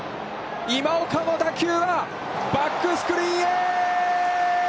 今岡の打球はバックスクリーンへ！